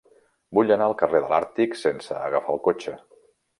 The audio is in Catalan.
Vull anar al carrer de l'Àrtic sense agafar el cotxe.